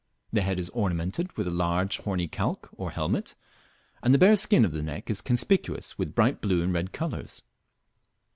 The head is ornamented with a large horny calque or helmet, and the bare skin of the neck is conspicuous with bright blue and red colours.